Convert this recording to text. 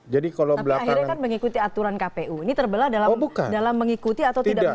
tapi akhirnya kan mengikuti aturan kpu ini terbelah dalam mengikuti atau tidak mengikuti